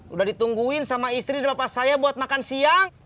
udah ditungguin sama istri di lapas saya buat makan siang